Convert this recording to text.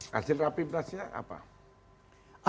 hasil rapindasnya apa